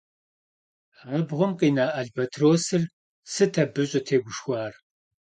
Абгъуэм къина албатросыр сыт абы щӀытегушхуар?